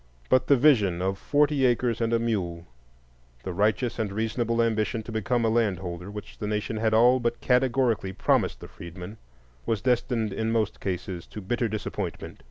But the vision of "forty acres and a mule"—the righteous and reasonable ambition to become a landholder, which the nation had all but categorically promised the freedmen—was destined in most cases to bitter disappointment.